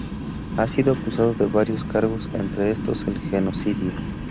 Ha sido acusado de varios cargos, entre estos el genocidio.